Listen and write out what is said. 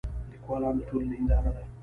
لیکوالان د ټولنې هنداره ده.